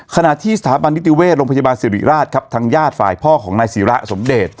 ขณะที่สถาบันนิติเวชโรงพยาบาลสิริราชครับทางญาติฝ่ายพ่อของนายศิระสมเดช